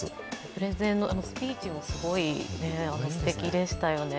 プレゼンのスピーチもすごく素敵でしたよね。